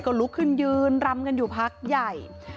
ก็ลุกขึ้นยืนรำกันอยู่พักใหญ่